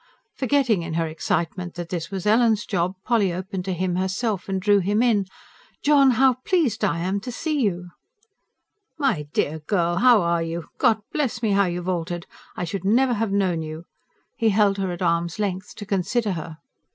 Forgetting in her excitement that this was Ellen's job, Polly opened to him herself, and drew him in. "John! How pleased I am to see you!" "My dear girl, how are you? God bless me, how you've altered! I should never have known you." He held her at arm's length, to consider her.